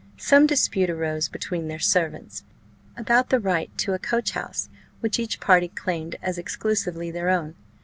Some dispute arose between their servants, about the right to a coach house, which each party claimed as exclusively their own.